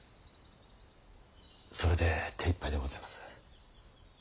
それで手いっぱいでございます。